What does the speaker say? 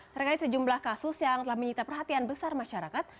terkait sejumlah kasus yang telah menyita perhatian besar masyarakat